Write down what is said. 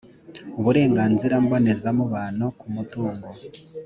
uburenganzira mbonezamubano ku mutungo